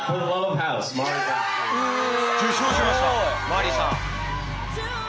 受賞しましたマーリさん。